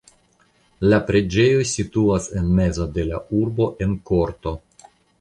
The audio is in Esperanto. La preĝejo situas en mezo de la urbo en korto.